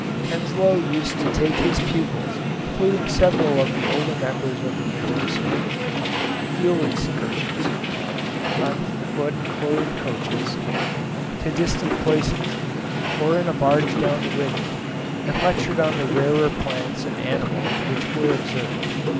Henslow used to take his pupils, including several of the older members of the University, field excursions, on foot or in coaches, to distant places, or in a barge down the river, and lectured on the rarer plants and animals which were observed.